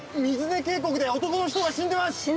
水根渓谷で男の人が死んでます！